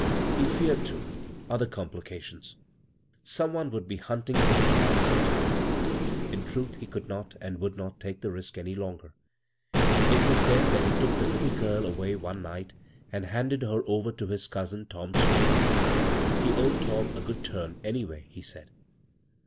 He feared, too, other complica ttooB; some one would be hunting for die b, Google CROSS CURRENTS child some time. In truth he could not, and he would not take the risk any longer. It was then that he took the Htde girl away one night and handed her over to his cousin, Tom Swan^. He owed Tom a good turn, anyway, he said.